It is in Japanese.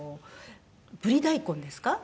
ブリ大根ですか？